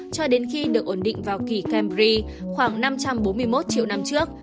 cho đến khi được ổn định vào kỳ cambry khoảng năm trăm bốn mươi một triệu năm trước